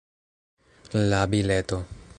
La bileto